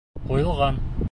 Ҡуйылған.